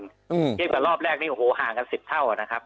เทียบกับรอบแรกนี่โอ้โหห่างกัน๑๐เท่านะครับ